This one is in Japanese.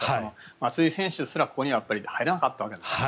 松井選手すら、ここには入らなかったわけですから。